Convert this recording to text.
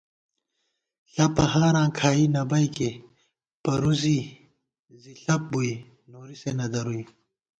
ݪپہ ہاراں کھائی نہ بئیکے پرُوزی زی ݪپ بُوئی نوری سے نہ درُوئی